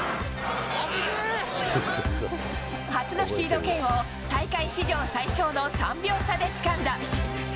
初のシード権を、大会史上最小の３秒差でつかんだ。